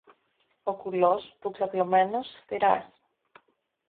Ο κουλός, που ξαπλωμένος στη ράχη